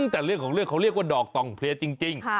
แต่เรื่องของเรื่องเขาเรียกว่าดอกต่องเพลียจริง